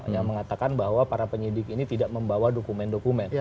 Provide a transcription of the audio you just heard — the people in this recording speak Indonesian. yang mengatakan bahwa para penyidik ini tidak membawa dokumen dokumen